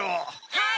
はい。